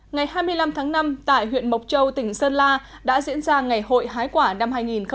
ngày hai mươi năm tháng năm tại huyện mộc châu tỉnh sơn la đã diễn ra ngày hội hái quả năm hai nghìn một mươi chín